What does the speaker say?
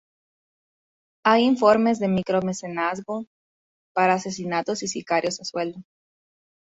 Hay informes de micromecenazgo para asesinatos y sicarios a sueldo.